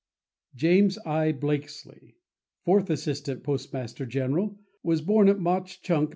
James I. Blakslee, Fourth Assistant Postmaster General, was born at Mauch Chunk, Pa.